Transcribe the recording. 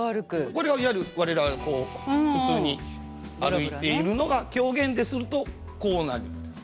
これはいわゆる我らがこう普通に歩いているのが狂言でするとこうなるんです。